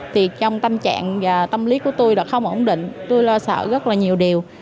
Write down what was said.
thì trong tâm trạng và tâm lý của tôi đã không ổn định tôi lo sợ rất là nhiều điều